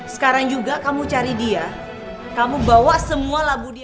sekarang juga kamu cari dia kamu bawa semua lagu dia